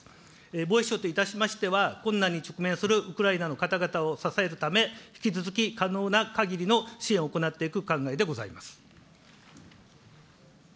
防衛省といたしましては、困難に直面するウクライナの方々を支えるため、引き続き可能なかぎりの支援を行っていく考えでございます。